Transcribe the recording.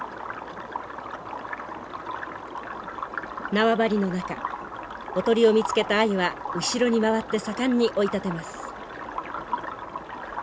縄張りの中おとりを見つけたアユは後ろに回って盛んに追い立てます。